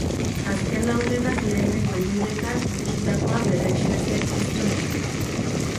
Azken laurdenak lehenengo hiruretan ikusitakoa berretsi besterik ez zuen egin.